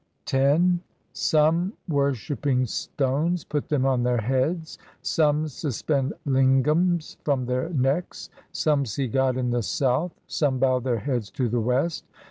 X Some worshipping stones put them on their heads, some suspend lingams from their necks. Some see God in the south, some bow their heads to the west.